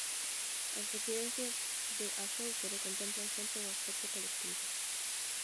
As residencias de Axóuxere contemplan sempre un aspecto colectivo.